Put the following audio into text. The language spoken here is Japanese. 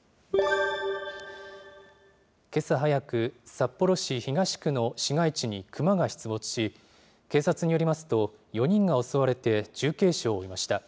けさ早く、札幌市東区の市街地に熊が出没し、警察によりますと、４人が襲われて重軽傷を負いました。